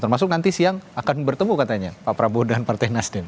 termasuk nanti siang akan bertemu katanya pak prabowo dan partai nasdem